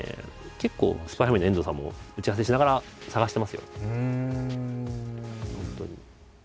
結構「ＳＰＹ×ＦＡＭＩＬＹ」の遠藤さんも打ち合わせしながら探してますよ。